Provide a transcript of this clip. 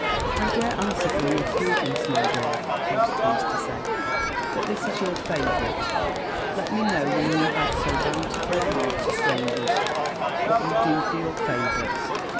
"I dare answer for your prudence, my dear," he was pleased to say: "but this is your favourite: let me know, when you have so bountiful a heart to strangers, what you do for your favourites?"